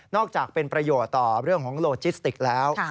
อกจากเป็นประโยชน์ต่อเรื่องของโลจิสติกแล้ว